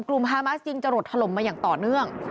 ฮามาสยิงจะหลดถล่มมาอย่างต่อเนื่อง